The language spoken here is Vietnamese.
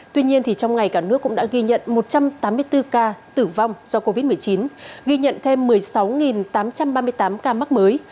tuy nhiên trong ngày cả nước cũng đã ghi nhận một trăm tám mươi bốn ca tử vong do covid một mươi chín ghi nhận thêm một mươi sáu tám trăm ba mươi tám ca mắc mới